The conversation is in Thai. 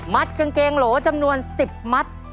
กางเกงโหลจำนวน๑๐มัด